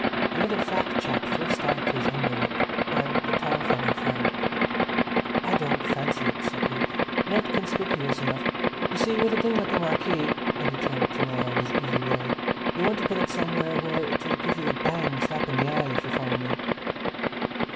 A little fat chap thrust out his under lip, and the tall fellow frowned. "I don't fancy it," said he. "Not conspicuous enough. You see, with a thing like a marquee," and he turned to Laura in his easy way, "you want to put it somewhere where it'll give you a bang slap in the eye, if you follow me."